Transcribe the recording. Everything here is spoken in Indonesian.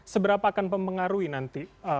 seberapa akan mempengaruhi nanti